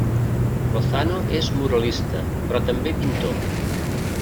Lozano és muralista, però també pintor.